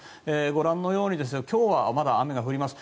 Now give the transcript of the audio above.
ご覧のように今日はまだ雨が降ります。